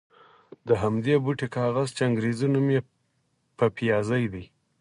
د همدې بوټي کاغذ چې انګرېزي نوم یې پپیازي دی.